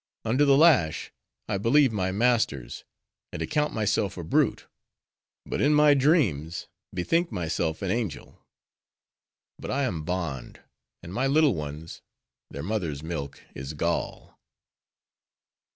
Under the lash, I believe my masters, and account myself a brute; but in my dreams, bethink myself an angel. But I am bond; and my little ones;—their mother's milk is gall."